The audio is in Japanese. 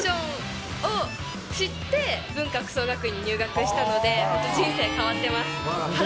原宿ファッションを知って、文化服装学院に入学したので、人生変わってます。